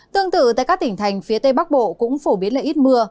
tương tự tại các tỉnh thành phía tây bắc bộ cũng phổ biến là ít mưa